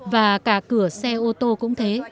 và cả cửa xe ô tô cũng thế